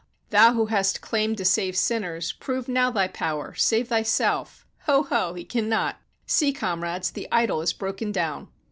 Thou who hast claimed to save sinners, prove now Thy power, save Thyself! Ho, ho! He cannot! See, comrades, the idol is broken down!"